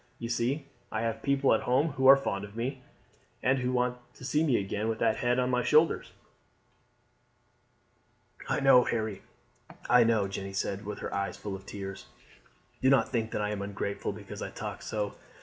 You see I have people at home who are fond of me, and who want to see me back again with that head on my shoulders." "I know, Harry; I know," Jeanne said with her eyes full of tears. "Do not think that I am ungrateful because I talk so.